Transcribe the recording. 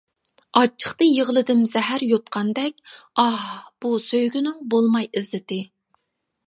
ئاچچىقتا يىغلىدىم زەھەر يۇتقاندەك، ئاھ، بۇ سۆيگۈنىڭ بولماي ئىززىتى.